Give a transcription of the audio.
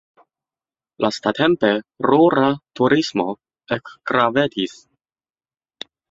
Lastatempe rura turismo ekgravetis.